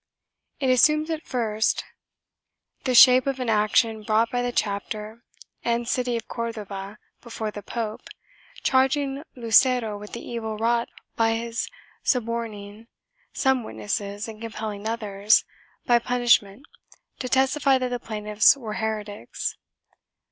It assumed at first the shape of an action brought by the chapter and city of Cordova before the pope, charging Lucero with the evil wrought by his suborning some witnesses and compelling others by punishment to testify that the plaintiffs were heretics.